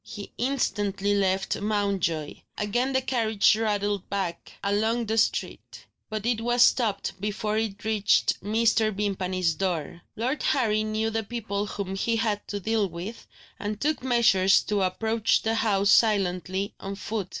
He instantly left Mountjoy. Again the carriage rattled back along the street; but it was stopped before it reached Mr. Vimpany's door. Lord Harry knew the people whom he had to deal with, and took measures to approach the house silently, on foot.